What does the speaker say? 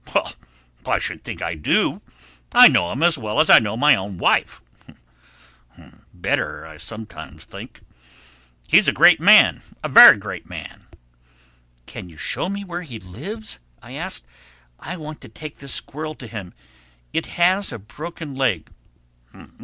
"Well, I should think I do! I know him as well as I know my own wife—better, I sometimes think. He's a great man—a very great man." "Can you show me where he lives?" I asked. "I want to take this squirrel to him. It has a broken leg."